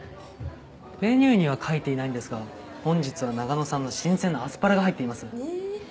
メニューには書いていないんですが本日は長野産の新鮮なアスパラが入っています。